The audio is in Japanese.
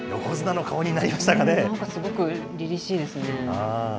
なんかすごくりりしいですね。